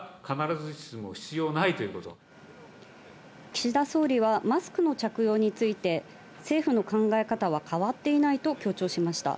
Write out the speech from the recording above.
岸田総理はマスクの着用について政府の考え方は変わっていないと強調しました。